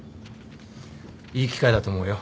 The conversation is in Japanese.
いい機会だと思うよ。